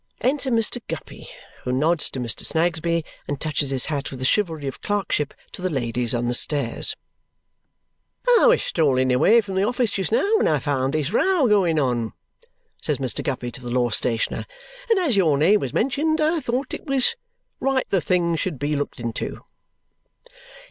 Enter Mr. Guppy, who nods to Mr. Snagsby and touches his hat with the chivalry of clerkship to the ladies on the stairs. "I was strolling away from the office just now when I found this row going on," says Mr. Guppy to the law stationer, "and as your name was mentioned, I thought it was right the thing should be looked into."